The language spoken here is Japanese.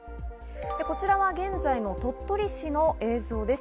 こちらは現在の鳥取市の映像です。